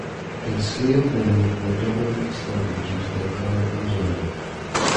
Enslaved women were doubly exploited due to their color and gender.